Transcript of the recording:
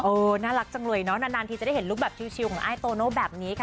น่ารักจังเลยเนาะนานทีจะได้เห็นลูกแบบชิลของอ้ายโตโน่แบบนี้ค่ะ